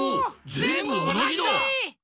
ぜんぶおなじ！